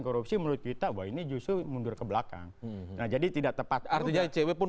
korupsi menurut kita bahwa ini justru mundur ke belakang nah jadi tidak tepat artinya icw pun